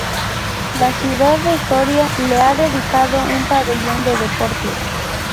La ciudad de Soria le ha dedicado un pabellón de deportes.